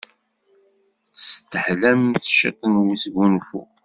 Testahlem ciṭṭ n wesgunfu.